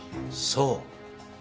そう！